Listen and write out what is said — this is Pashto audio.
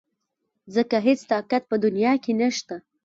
ځکه هېڅ طاقت په دنيا کې نشته .